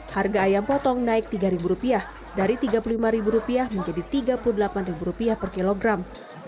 harga ayam potong naik rp tiga dari rp tiga puluh lima menjadi rp tiga puluh delapan per kilogram